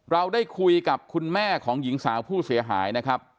เราได้คุยกับคุณแม่ของหญิงสาวผู้เสียหายนะครับ